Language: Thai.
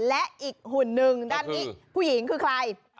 และอีกหุ่นหนึ่งด้านนี้ผู้หญิงคือใคร